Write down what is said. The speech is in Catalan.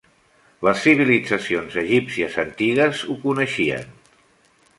Les civilitzacions egípcies antigues ho coneixien.